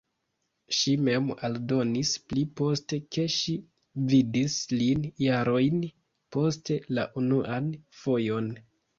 Ŝi mem aldonis pli poste, ke ŝi vidis lin jarojn poste la unuan fojon.